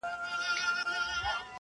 د ښویېدلي سړي لوري د هُدا لوري.